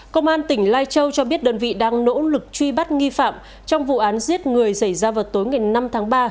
công an tỉnh lai châu cho biết đơn vị đang nỗ lực truy bắt nghi phạm trong vụ án giết người xảy ra vào tối ngày năm tháng ba